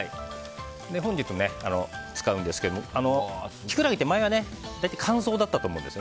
本日使うんですけどもキクラゲって前は大体、乾燥だったと思うんです